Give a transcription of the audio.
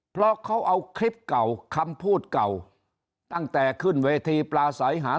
เพราะเขาเอาคลิปเก่าคำพูดเก่าตั้งแต่ขึ้นเวทีปลาใสหา